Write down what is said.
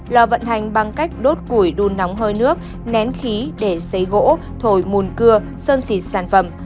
lò vận hành bằng cách đốt củi đun nóng hơi nước nén khí để xấy gỗ thổi mùn cưa sơn xịt sản phẩm